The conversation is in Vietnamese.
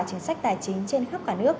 chính sách tài chính trên khắp cả nước